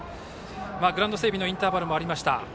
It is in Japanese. グラウンド整備のインターバルもありました。